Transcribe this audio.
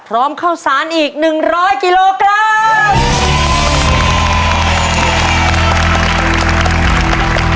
พร้อมเข้าสารอีก๑๐๐กิโลกรัม